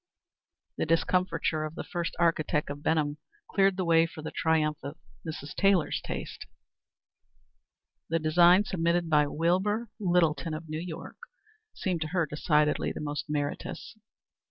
The discomfiture of the first architect of Benham cleared the way for the triumph of Mrs. Taylor's taste. The design submitted by Wilbur Littleton of New York, seemed to her decidedly the most meritorious.